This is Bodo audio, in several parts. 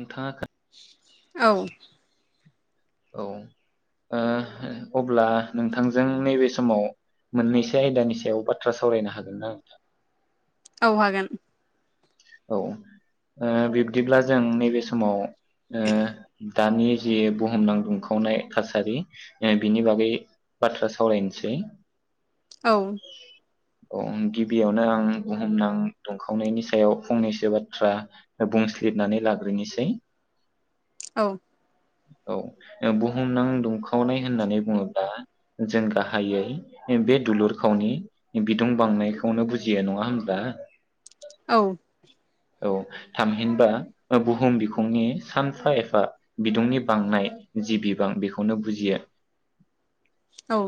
नोंथाङ औ औ ओ अब्ला नोंथांजों नैबे समाव मोननैसो आयदानि सायाव बाथ्रा सावरायनो हागोन ना नोंथां औ हागोन औ ओ बिब्दिब्ला जों नैबे समाव ओ दानि जि बुहुमनां दुंखावनाय थासारि बिनि बागै बाथ्रा सावरायनोसै औ औ गिबियावनो आं बुहुमनां दुंखावनायनि सायाव फंनैसो बाथ्रा बुंसलिबनानै लाग्रोनोसै औ औ बुहुमनां दुंखावनाय होननानै बुङोब्ला जों गाहायै बे दुलुर खावनि बिदुं बांनायखौनो बुजियो नङा हब्ला औ औ थामहिनबा बुहुम बिखुंनि सानफा एफा बिदुंनि बांनाय जि बिबां बेखौनो बुजियो औ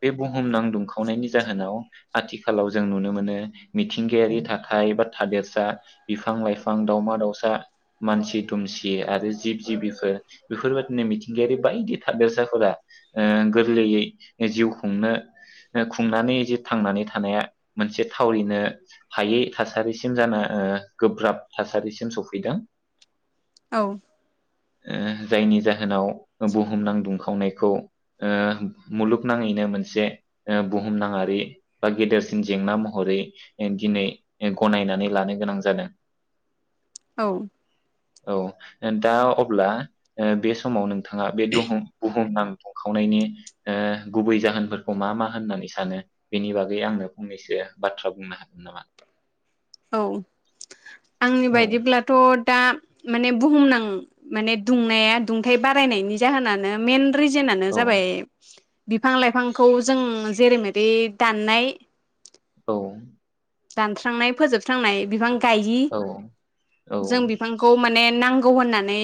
बे बुम बुहुमनां दुंखावनायनि जाहोनाव आथिखालाव जों नुनो मोनो मिथिंगायारि थाखाय बा थादेरसा बिफां लाइफां दाावमा दाउसा मानसि दुमसि आरो जिब जिबिफोर बेफोरबायदिनो मिथिंगायारि बायदि थादेरसाफोरा ओ गोरलैयै जिउ खुंनो खुंनानै जे थांनानै थानाया मोनसे थावरिनो हायै थासारिसिम जाना ओ गोब्राब थासारिसिम सफैदों औ ओ जायनि जाहोनाव बुहुम नां दुंखावनायखौ ओ मुलुगनाङैनो मोनसे बुहुमनााङारि बा गेदेरसिन जेंना महरै दिनै गनायनानै लानो गोनां जादों औ औ दा अब्ला बे समाव नों नोंथाङा बे दह बुहुम नाम दुंखावनायनि ओ गुबै जाहोनफोरखौ मा मा होननानै सानो बेनि बागै आंनो फंनैसो बाथ्रा बुंनो हागोन नामा औ आंनि औ बायदिब्लाथ' दा माने बुहुमनां माने दुंनाया दुंथाय बारायनायनि जाहोनानो मेन रिजोननो औ जाबाय बिफां लाइफांखौ जों जेरैमेरै दाननाय औ दानस्रांनाय फोजोबस्रांनाय बिफां गायि औ जों बिफांखौ माने नांगौ होननानै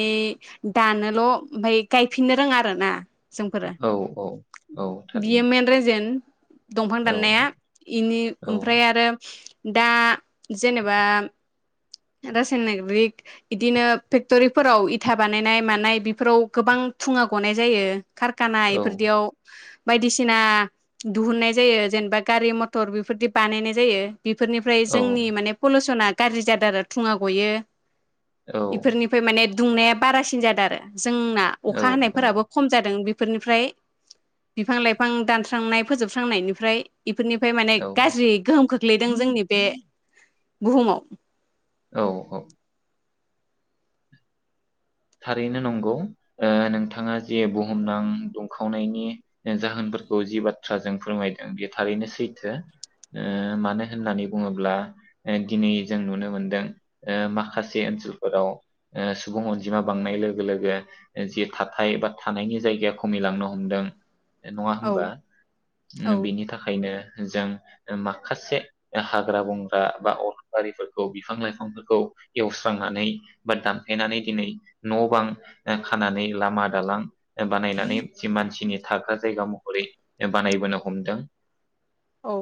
दानोल' ओमफ्राय गायफिननो रोङा आरो ना जोंफोरा औ औ औ बियो थारैनो मेन रिजेन दंफां औ दाननाया बेनि औ ओमफ्राय आरो दा जेनेबा रासायनारिक इदिनो फेक्टरिफोराव इथा बानायनाय मानाय बेफोराव गोबां थुङा गनाय जायो । खारखाना औ बेफोरदियाव बायदिसिना दुहुननाय जायो जेनेबा गारि मथर बेफोरदि बानायनाय जायो । बेफोरनिफ्राय औ जोंनि माने पलुसना गाज्रि जादो‌ आरो थुङा गयो औ इफोरनिफ्राय माने दुंनाया बारासिन जादों आरो जोंना अखा औ हानायफोराबो खम जादों बेफोर बेफोरनिफ्राय बिफां लाइफां दानस्रांनाय फोजोबस्रांनायनिफ्राय इफोरनिफ्राय माने औ गाज्रि गोहोम खोख्लै गोग्लैदों जोंनि बे बुहुमाव औ औ थारैनो नंगौ ओ नोंथाङा जे बुहुमनां दुंखावनायनि जाहोनफोरखौ जि बाथ्राजों फोरमायदों बे थारैनो सैथो ओ मानो होननानै बुङोब्ला दिनै जों नुनो मोनदों ओ माखासे ओनसोलफोराव ओ सुबुं अनजिमा अनजिमा बांनाय लोगो लोगो जि थाथाय बा थानायनि जायगाया खमिलांनो हमदों । नङा औ होमबा उम औ बिनि थाखायनो जों माखासे हाग्रा बंग्रा बा अर गारिफोरखौ बिफां न' बां ओ खानानै बानायनानै जि मानसिनि थाग्रा जायगा जायगा महरै बानायबो औ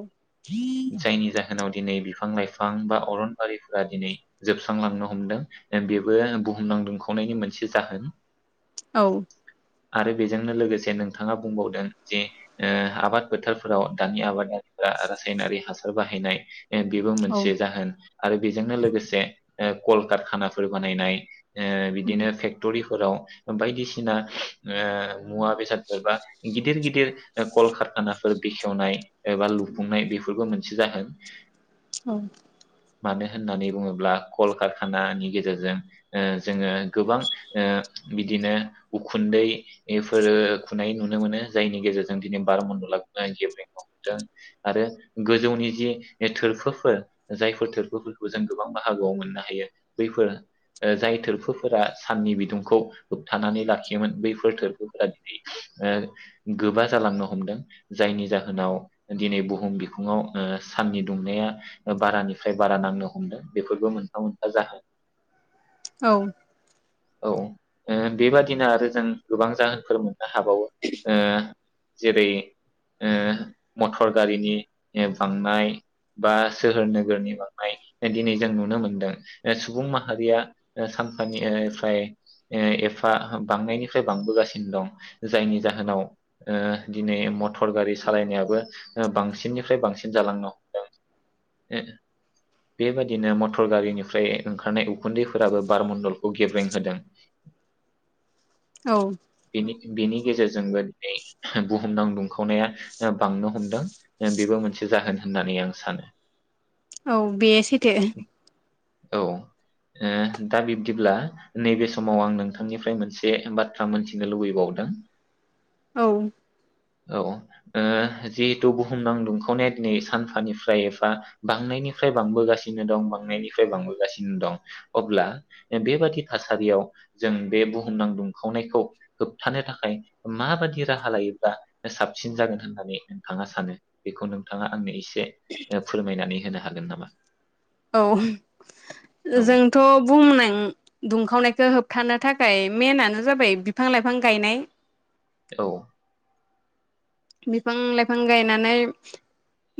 जाहोनाव दिनै बिफां लाइफां बा अरनबारिफोरा दिनै जोबस्रांलांनो हमदों बेबो बुहुमनांदोंखौ दुंनायनि मोनसे जाहोन औ आरो बेजोंनो लोगोसे नोंथाङा बुंबावदों जे ओ आबाद फोथारफोराव दानि आबादारि रां रासायनारि हासार बाहायनाय ओ बेबो मोनसे जाहोन आरो बेजोंनो लोगोसे ए कलकारखानाफोर बानायनाय ए बिदिनो फेक्टरि फोराव बायदिसिना ओ मुवा बेसादफोर बा गिदिर गिदिर ओ कलकारखानाफोर बेखेवनाय एबा लुफुंनाय बेफोरबो मोनसे जाहोन उम मानो होननानै बुङोब्ला कल कारखानानि गेजेरजों ओ जोङो गोबां ओ बिदिनो उखुन्दैफोरो खुनाय नुनो मोनो जायनि गेजेरजों दिनै बार मण्डला गोबां गेब्रेंनो हमदों आरो फोरा साननि बिदुंखौ होबथानानै लाखियोमोन बैफोर थोरबोफोरा दिनै ओ गोबा जालांनो हमदों जायनि जाहोनाव दिनै बुहुम बिखुङाव ओ साननि दुंनाया बारानिफ्राय बारा नांनो हमदों बेफोरबो मोनफा मोनफा जाहोन । औ औ ओ बेबादिनो आरो जों गोबां जाहोनफोर मोननो हाबावो ओ जेरै ओ मटर गारिनि बांनाय बा सोहोर नोगोरनि बांनाय दिनै जों नुनो मोनदों सुबुं माहारिया सानफानि ओ फाय एफा बांनायनिफ्राय बांबोगासिनो दं जायनि जाहोनाव दिनै ओ मटर गारि सालायनायाबो बांसिननिफ्राय बांसिन जालांनो हमदों बेबायाददिनो मटर गारिनिफ्राय ओंखारनाय उखुन्दैफोराबो बारमण्डलखौ गेब्रें होदों औ बिनि गेजेरजोंबो दिनै बुहुमनां दुंखावनाया बांनो हमदों बेबो मोनसे जाहोन होननानै आं सानो औ बे सैथो । औ ओ दा बिब्दिब्ला नैबे समाव आं नोंथांनिफ्राय मोनसे बाथ्रा मोनथिनो लुबैबावदों । औ औ ओ जिहेथु बुहुमनां दुंखावनाया दिनै सानफानिफ्राय एफा बांनायनिफ्राय बांबोगासिनो दं बांनायनिफ्राय बांबोगासिनो दं अब्ला बेबादि थासारियाव जों बे बुहुमनां दुंखावनायखौ होबथानो थाखाय माबाददि राहा लायोब्ला साबसिन जागोन होननानै नोंथाङा सानो बेखौ नोंथाङा आंनो एसे फोरमायनानै होनो हागोन नामा? औ औ जोंथ' बुंनाय दुंखावनायखौ होबथानो थाखाय मेनानो जाबाय बिफां लाइफां गायनाय औ बिफां लाइफां गायनानै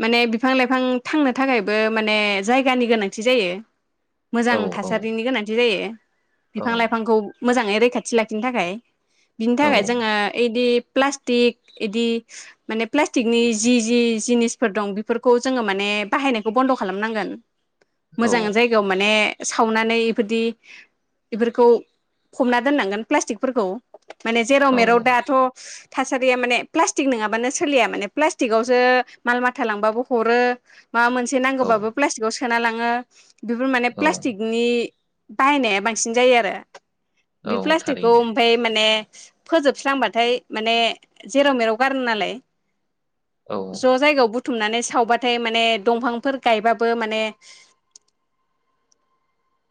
माने बिफां लाइफां थांनो थाखायबो माने जायगानि गोनांथि जायो । औ मोजां औ थासारिनि गोनांथि जायो । औ बिफां लाइफांखौ । मोजाङै रैखाथि लाखिनो थाखाय । बिनि औ थाखाय जोङो ओइदि प्लास्टिक इदि माने प्लास्टिकनि जि जि जिनिसफोर दं बेफोरखौ जोङो माने बाहायनायखौ बन्द' खालामनांगोन। औ मोजां जायगायाव माने सावनानै इफोरदि बेफोरखौ फबना दोननांगोन प्लास्टिकफोरखौ । माने जेराव औ मेराव दाथ' थासारिया माने प्लास लाटिक नङाबानो सोलिया माने प्लास्टिकावसो माल माथा लांबाबो हरो माबा मोनसे औ नांगौब्लाबो प्लास्तिकाव सो सोना लाङो बेफोर माने औ प्लास्टिकनि बाहायनाया बांसिन जायो आरो औ बे प्लास्टिकखौ थारैनो ओमफाय माने फोजोबस्रांबाथाय माने जेराव मेराव गारो नालाय औ ज' जायगायाव बुथ बुथुमनानै सावबाथाय माने दंफांफोर गायबाबो माने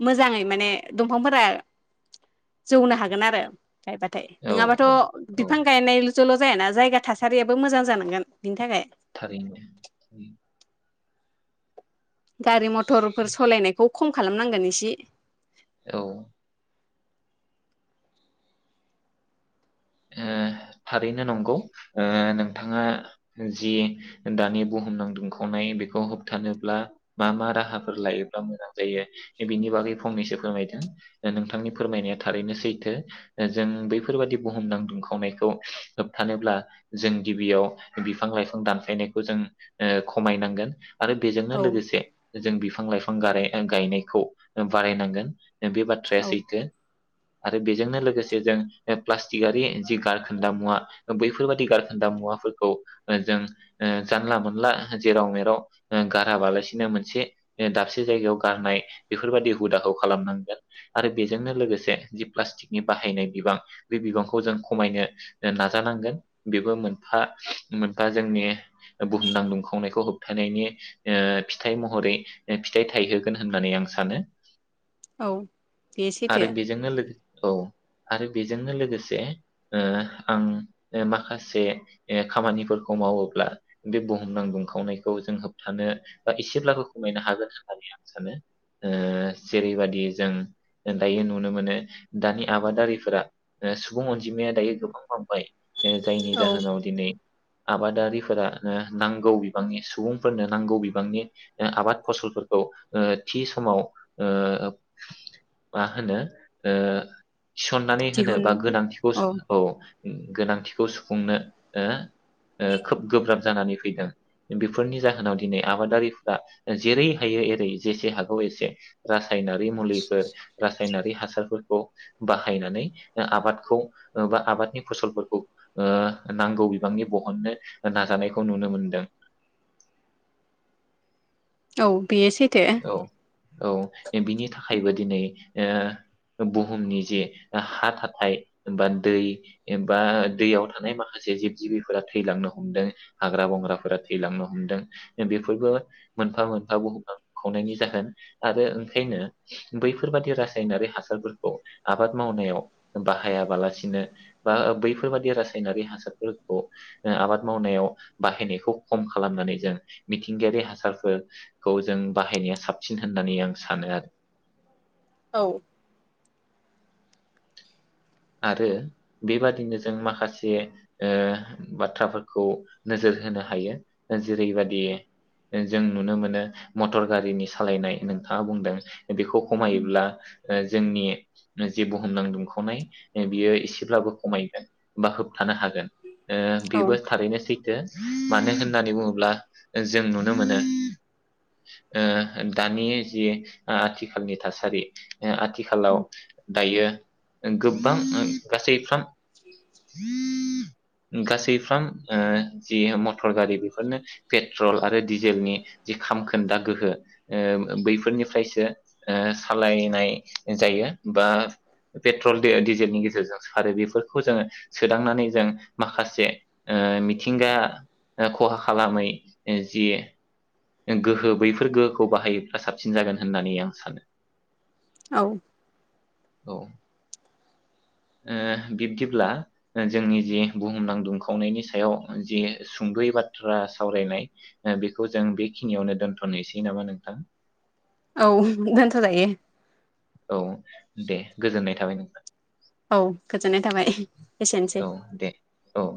मोजाङै माने दंफांफोरा जौनो हागोन आरो । गायबाथाय औ नङाबाथ' औ औ बिफां गायनाय जोंल जायाना जायगा थासारियाबो मोजां जानांगोन बिनि थाखाय थारैनो उम गारि मथ टरफोर सालायनायखौ खम खालामनांगोन एसे औ ओ थारैनो नंगौ ओ नोंथाङा जि दानि बुहुमनां दुंखावनाय बेखौ होबथानोब्ला मा मा राहाफोर लायोब्ला मोजां जायो बिनि बागै फंनैसो फोरमायदों नोंथांनि फोरमायनाया थारैनो सैथो जों बैफोरबादि बुहुमनां दुंखावनायखौ होबथानोब्ला जों गिबियाव बिफां लाइफां दानफायनायखौ जों ओ खमायनांगोन आरो बेजोंनो औ लोगोसे जों बिफ बिफां लाइफां गाराय गायनायखौ बारायनांगोन बे बाथ्राया औ सैथो आरो बेजोंनो लोगोसे जों प्लास्टिकारि जि गारखोन्दा मुवा बैफोरबादि गारखोन्दा मुवाफोरखौ ओ जों ओ जानला मोनला जेराव मेराव गाराबालासिनो मोनसे ओ दाबसे जायगायाव गारनाय बेफोरबाददि हुदाखौ खालामनांगोन आरो बेजोंनो लोगोसे जि प्लास्टिकनि बाहायनाय बिबां बे बिबांखौ जों खमायनो नाजानांगोन बेबो मोनफा मोनफा जोंनि बुहुमनां दुंखावनायखौ होबथानायनि ओ फिथाइ महरै ओ फिथाइ थायहोगोन होननानै आं सानो औ बे सैथो आरो बेजोंनो लोगो औ आरो बे जोंनो लोगोसे ओ आं माखासे ऐ खामानिफोरखौ मावोब्ला बे बुहुमनां दुंखावनायखौ जों होबथानो बा एसेब्लाबो खमायनो हागोन होननानै आं सानो ओ जेरैबादि जों दायो नुनो मोनो दानि आबादारिफोरा ओ सुबुं अनजिमाया दायो गोबां बांबाय ओ जायनि औ जाहोनाव दिनै आबादारिफोरा नांगौ बिबांनि सुबुंफोरनो नांगौ बिबांनि ओ आबाद फसलफोरखौ ओ थि समाव ओ मा होनो ओ थिसन होनो दिहुन बा गोनांथिखौ औ सुफुं औ गोनांथिखौ सुफुंनो ओ ओ खोब गोब्राब जानानै फैदों बेफोरनि जाहोनाव दिनै आबादारिफ्रा जेरै हायो एरै जेसे हागौ एसे रासायनारि मुलिफोर रासायनारि हासारफोरखौ बाहायनानै दा आबादखौ बा आबादनि फसलफोरखौ ओ नांगौ बिबांनि बहननो नाजानायखौ नुनो मोनदों औ बेयो सैथो औ औ बिनि थाखायबो दिनै ओ बुहुमनि जे हा थाथाय बा दै बा दैयाव थानाय माखासे जिब जिबिफोरा थैलांनो हमदों हाग्रा बंग्राफोरा थैलांनो हमदों ओ बेफोरबो मोनफा मोनफा बुहुमनां खावनायनि जाहोन आरो ओंखायनो बैफोरबादि रासायनारि हासारफोरखौ आबाद मावनायाव बाहायाबालासिनो बा बैफोरबादि रासायनारि हासारफोरखौ ओ आबाद मावनायाव बाहायनायखौ खम खालामनानै जों मिथिंगायारि हासारफोरखौ जों बाहायनाया साबसिन होननानै आं सानो आरो औ आरो बेबादिनो जों माखासेओ बाथ्राफोरखौ नोजोर होनो हायो जेरैबादि जों नुनो मोनो मटर गारिनि सालायनाय नोंथाङा बुंदों बेखौ खमायोब्ला ओ जोंनि जे बुहुमनां दुमखावनाय बियो एसेब्लाबो खमायगोन बा होबथानो हागोन ओ औ बेबो थारैनो सै थो मानो होननानै बुङोब्ला जों नुनो मोनो ओ दानि जि ओ आथिखालनि थासारि ओ आथिखालाव दायो गोब बां ओ गासैफ्राम गासैफ्राम ओ जि मटर गारि बेफोरनो पेट्रल आरो डिजेलनि जि खामखोन्दा गोहो ओ बैफोरनि फ्रायसो ओ सालायनाय जायो बा पेट्रल बे डिजेलनि गेजेरजों आरो बेफोरखौ जोङो सोदांनानै जों माखासे ओ मिथिंगा खहा खालामै जि गोहो बैफोर गोहोखौ बाहायोबा साबसिन जागोन होननानै आं सानो। औ। औ। ओ बिब्दिब्ला जोंनि जि बुहुमनां दुंखावनायनि सायाव जि सुंद'यै बाथ्रा सावरायनाय ओ बेखौ जों बेखिनियावनो दोनथ'नोसै नामा नोंथां? औ दोनथ' जायो। औ दे गोजोननाय थाबाय नोंथां। औ गोजोननाय थाबाय एसेनोसै। औ दे औ